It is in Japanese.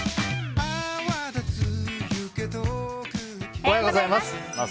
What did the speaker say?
おはようございます。